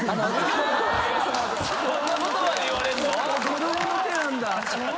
子どもの手なんだ！